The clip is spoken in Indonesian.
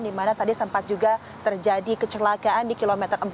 dimana tadi sempat juga terjadi kecelakaan di kilometer tiga belas